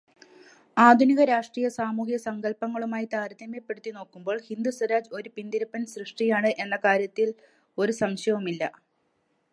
ആധുനിക രാഷ്ട്ര-സാമൂഹികസങ്കല്പനങ്ങളുമായി താരതമ്യപ്പെടുത്തി നോക്കുമ്പോള് ഹിന്ദ് സ്വരാജ് ഒരു പിന്തിരിപ്പന് സൃഷ്ടിയാണ് എന്ന കാര്യത്തില് ഒരു സംശയവുമില്ല.